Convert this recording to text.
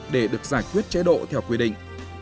để được giải quyết chế độ theo quy định